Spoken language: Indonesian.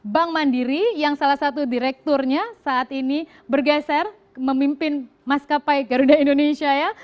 bank mandiri yang salah satu direkturnya saat ini bergeser memimpin maskapai garuda indonesia ya